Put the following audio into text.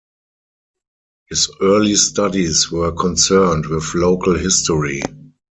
His early studies were concerned with local history.